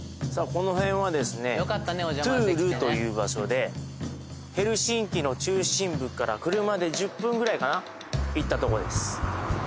この辺はですねトゥールという場所でヘルシンキの中心部から車で１０分ぐらいかな行ったとこです